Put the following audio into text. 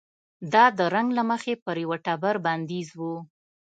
دا د رنګ له مخې پر یوه ټبر بندیز و.